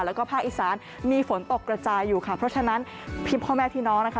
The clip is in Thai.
แล้วก็ภาคอีสานมีฝนตกกระจายอยู่ค่ะเพราะฉะนั้นพี่พ่อแม่พี่น้องนะคะ